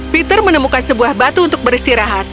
peter menemukan sebuah batu untuk beristirahat